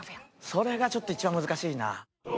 それがちょっと一番難しいな。